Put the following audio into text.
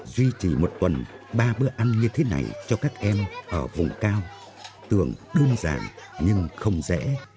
duy trì một tuần ba bữa ăn như thế này cho các em ở vùng cao tưởng đơn giản nhưng không dễ